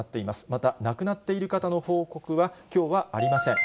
また、亡くなっている方の報告は、きょうはありません。